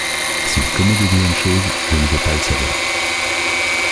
S’il commet de vilaines choses, je ne veux pas le savoir.